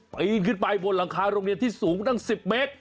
ปีนขึ้นไปบนหลังคาโรงเรียนที่สูงตั้ง๑๐เมตร